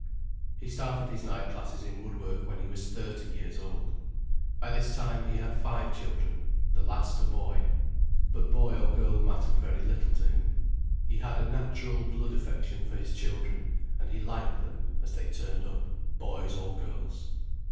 He started his night classes in woodwork when he was thirty years old. By this time he had five children, the last a boy. But boy or girl mattered very little to him. He had a natural blood affection for his children, and he liked them as they turned up: boys or girls.